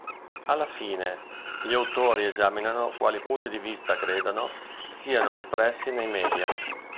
Alla fine, gli autori esaminano quali punti di vista credano siano espressi nei media.